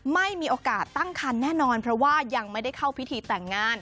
ไม่มีโอกาสตั้งคันแน่นอนเพราะว่ายังไม่ได้เข้าพิธีแต่งงาน